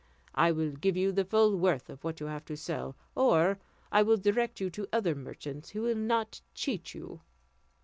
I will give you the full worth of what you have to sell, or I will direct you to other merchants who will not cheat you."